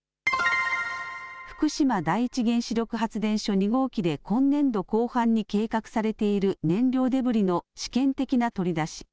福島第一原子力発電所２号機で今年度後半に計画されている燃料デブリの試験的な取り出し。